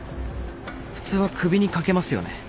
普通は首に掛けますよね。